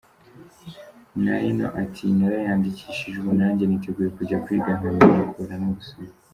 Nayino ati “Nariyandikishije ubu najye niteguye kujya kwiga nkamenya kubara no gusoma.